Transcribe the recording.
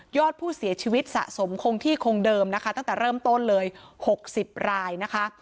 อดผู้เสียชีวิตสะสมคงที่คงเดิมนะคะตั้งแต่เริ่มต้นเลย๖๐รายนะคะ